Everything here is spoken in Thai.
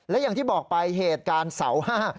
และอย่างที่บอกไปเหตุการณ์เสาห้า